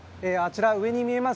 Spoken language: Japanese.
上に見えます